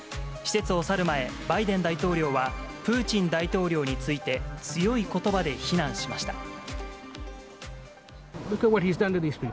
施設を去る前、バイデン大統領は、プーチン大統領について、強いことばで非難しました。